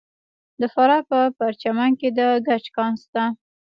د فراه په پرچمن کې د ګچ کان شته.